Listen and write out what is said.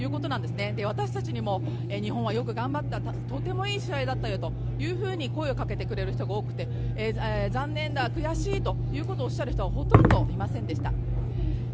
私たちにも、日本はよく頑張ったとてもいい試合だったよと声をかけてくれる人が多くて残念だ、悔しいとおっしゃる人はほとんどいませんでした。